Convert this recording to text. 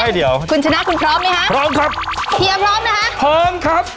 เดี๋ยวคุณชนะคุณพร้อมไหมฮะพร้อมครับเฮียพร้อมนะคะพร้อมครับ